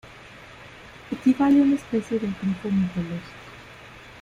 Equivale a una especie de grifo mitológico.